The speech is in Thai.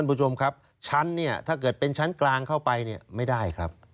คุณผู้ชมครับชั้นเนี่ยถ้าเกิดเป็นชั้นกลางเข้าไปเนี่ยไม่ได้ครับ